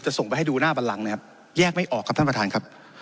ส่งไปให้ดูหน้าบันลังนะครับแยกไม่ออกครับท่านประธานครับ